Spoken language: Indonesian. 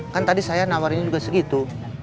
kan tadi saya nawarinnya juga segitu